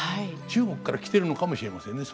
中国から来てるのかもしれませんね